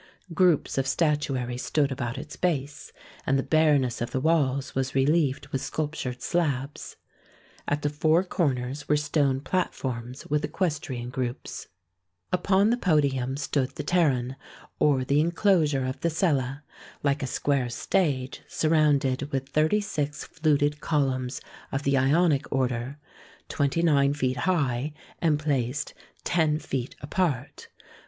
Groups of statuary stood about its base, and the bareness of the walls was relieved with sculptured slabs. At the four cor ners were stone platforms with equestrian groups. r THE TOMB OF KING MALJSOLUS 139 Upon the podium stood the pteron, or the en closure of the cella, like a square stage surrounded with thirty six fluted columns of the Ionic order, twenty nine feet high, and placed ten feet apart.